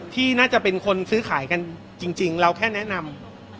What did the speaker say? ที่น่าจะเป็นคนซื้อขายกันจริงเราแค่แนะนำ